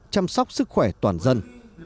chăm sóc sức khỏe toàn dân